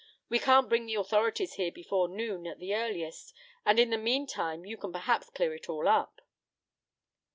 "We can't bring the authorities here before noon, at the earliest, and in the mean time you can perhaps clear it all up."